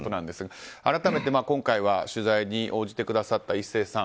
改めて、今回は取材に応じてくださった壱成さん。